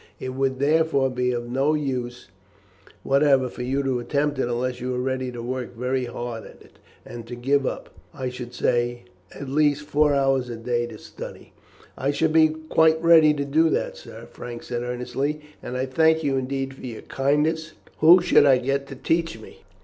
It would, therefore, be of no use whatever for you to attempt it unless you are ready to work very hard at it, and to give up, I should say, at least four hours a day to study." "I should be quite ready to do that, sir," Frank said earnestly, "and I thank you indeed for your kindness. But who should I get to teach me?"